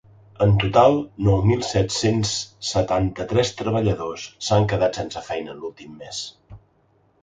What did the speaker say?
En total nou mil set-cents setanta-tres treballadors s’han quedat sense feina en l’últim mes.